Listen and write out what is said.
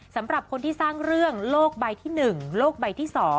สำหรับคนที่สร้างเรื่องโลกใบที่๑โลกใบที่๒